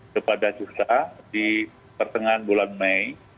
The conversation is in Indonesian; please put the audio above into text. kepada kita di pertengahan bulan mei